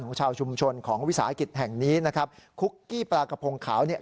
ของชาวชุมชนของวิสาหกิจแห่งนี้นะครับคุกกี้ปลากระพงขาวเนี่ย